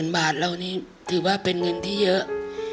บาทเรานี่ถือว่าเป็นเงินที่เยอะ